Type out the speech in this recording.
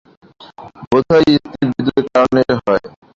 বোধহয় স্থির বিদ্যুতের কারণে হয় এটা।